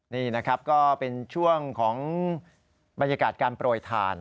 นี่นะครับก็เป็นช่วงของบรรยากาศการโปรยทาน